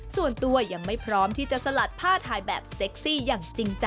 ส่วนตัวยังไม่พร้อมที่จะสลัดผ้าถ่ายแบบเซ็กซี่อย่างจริงจัง